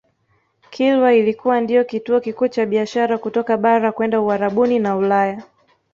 Kilwa ilikuwa ndiyo kituo kikuu cha biashara kutoka bara kwenda Uarabuni na Ulaya